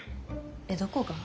えっどこが？